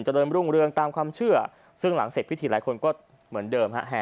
เริ่มรุ่งเรืองตามความเชื่อซึ่งหลังเสร็จพิธีหลายคนก็เหมือนเดิมฮะ